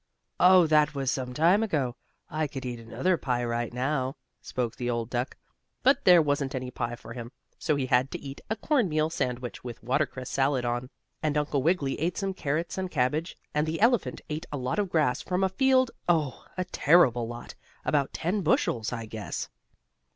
"Oh, that was some time ago. I could eat another pie right now," spoke the old duck. But there wasn't any pie for him, so he had to eat a cornmeal sandwich with watercress salad on, and Uncle Wiggily ate some carrots and cabbage, and the elephant ate a lot of grass from a field oh! a terrible lot about ten bushels, I guess.